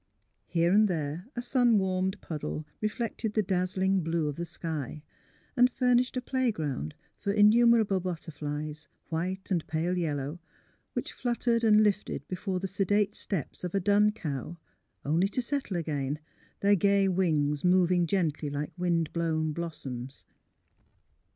Here and there a sun warmed puddle re flected the dazzling blue of the sky, and furnished a playground for innumerable butterflies, whit© and pale yellow, which fluttered and lifted before the sedate steps of a dun cow, only to settle again, their gay wings moving gently like wind blown blossoms.